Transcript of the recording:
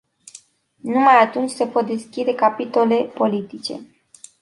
Numai atunci se pot deschide capitole politice.